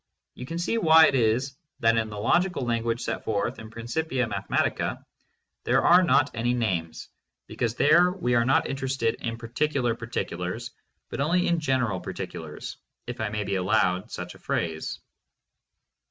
You can see why it is that in the logical language set forth in Principia Mathematica there are not any names, because there we are not interested in particular particulars but only in general particulars, if I may be allowed such a phrase.